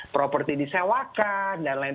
properti disewakan dan lain